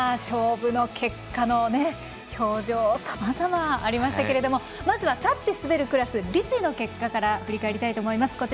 勝負の結果の表情さまざまありましたけれどもまずは立って滑るクラス立位の結果から振り返りたいと思います。